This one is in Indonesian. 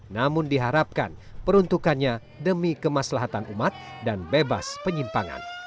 namun diharapkan peruntukannya demi kemaslahatan umat dan bebas penyimpangan